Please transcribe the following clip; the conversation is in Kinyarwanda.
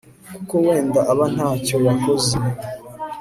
kuko wenda aba nta cyo yakoze